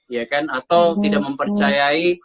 ya kan atau tidak mempercayai